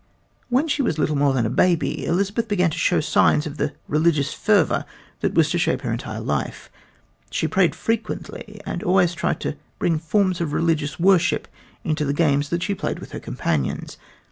When she was little more than a baby Elizabeth began to show signs of the religious fervor that was to shape her entire life. She prayed frequently and always tried to bring the forms of religious worship into the games that she played with her companions.